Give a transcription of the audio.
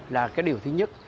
là cái điều thứ nhất